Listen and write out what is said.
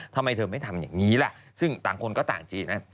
ทำไมเธอไม่ทำอย่างนี้ล่ะซึ่งต่างคนก็ต่างจีนนะ